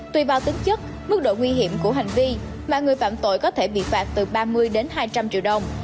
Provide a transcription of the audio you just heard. tùy vào tính chất mức độ nguy hiểm của hành vi mà người phạm tội có thể bị phạt từ ba mươi đến hai trăm linh triệu đồng